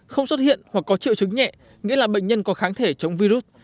không xuất hiện hoặc có triệu chứng nhẹ nghĩa là bệnh nhân có kháng thể chống virus